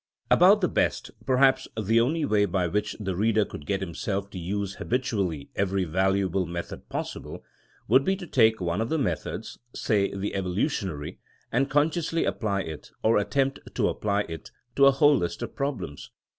About the best, perhaps the only way by which the reader could get himself to use habitually every valuable method possible, would be to take one of the methods, say the evolutionary, and consciously apply it, or attempt to apply it, to a whole list of problems.